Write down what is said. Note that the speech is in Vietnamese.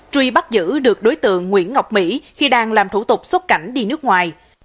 truy bắt giữ được đối tượng nguyễn ngọc mỹ khi đang làm thủ tục xốt cảnh đi nước ngoài